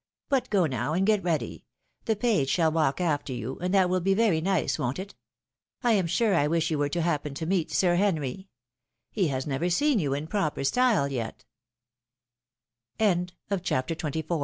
" But go now' and get ready. The page shall walk after you, and that will be very nice, won't it ? I am sure I wish you were to happen to meet Sir Henry 1 He has never seen you in prop